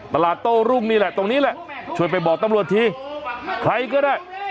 โต้รุ่งนี่แหละตรงนี้แหละช่วยไปบอกตำรวจทีใครก็ได้